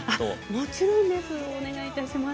もちろんです。